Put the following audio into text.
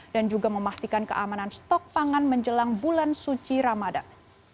dan juga memastikan keamanan stok pangan menjelang bulan suci ramadan